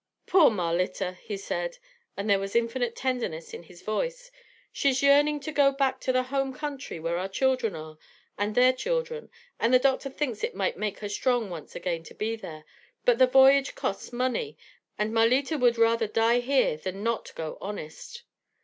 "Poor Marlitta," he said, and there was infinite tenderness in his voice, "she's yearning to go back to the home country where our children are and their children, and the doctor thinks it might make her strong once again to be there, but the voyage costs money, and Marlitta would rather die here than not go honest."